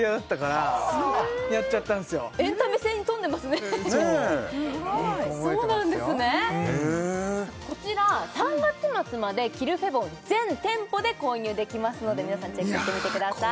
そう覚えてますよこちら３月末までキルフェボン全店舗で購入できますので皆さんチェックしてみてください